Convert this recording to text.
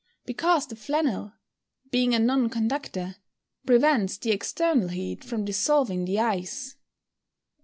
_ Because the flannel, being a non conductor, prevents the external heat from dissolving the ice.